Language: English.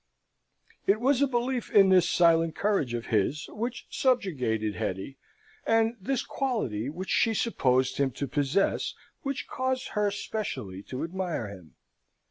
It was a belief in this silent courage of his which subjugated Hetty, and this quality which she supposed him to possess, which caused her specially to admire him.